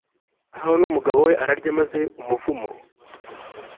ahaho numugabo we ararya maze umuvumo